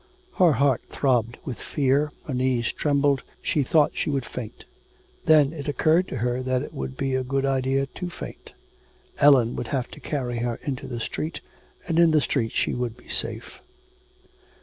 Her heart throbbed with fear, her knees trembled, she thought she would faint. Then it occurred to her that it would be a good idea to faint. Ellen would have to carry her into the street, and in the street she would be safe.